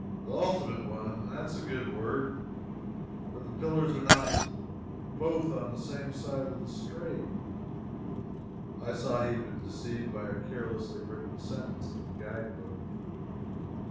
"The ultimate one that is a good word but the pillars are not both on the same side of the strait." (I saw he had been deceived by a carelessly written sentence in the guidebook.)